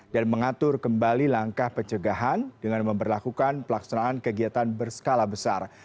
dan mengatur kembali langkah pencegahan dengan memperlakukan pelaksanaan kegiatan berskala besar